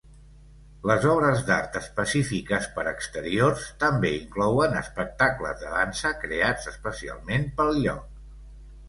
Les obres d'art específiques per exteriors també inclouen espectacles de dansa creats especialment pel lloc.